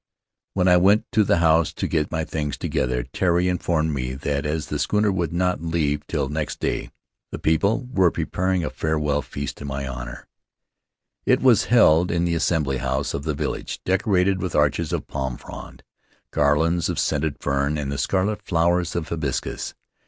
"When I went to the house to get my things together Tari informed me that, as the schooner would not leave till next day, the people were preparing a farewell Faery Lands of the South Seas feast in my honor. It was held in the assembly house of the village, decorated with arches of palm frond, garlands of scented fern, and the scarlet flowers of the hibiscus.